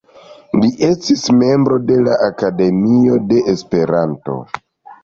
Li estis membro de la Akademio de Esperanto.